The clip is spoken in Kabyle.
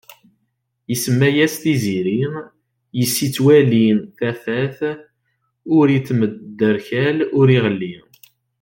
Isemma-yas Tiziri, yiss ittwali tafat. Ur ittemderkal ur iɣelli.